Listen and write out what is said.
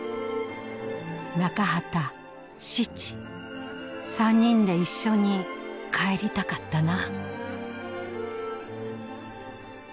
「中畠志知３人で一緒に帰りたかったな」。